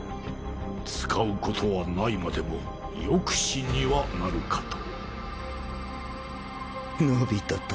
使うことはないまでも抑止にはなるかと。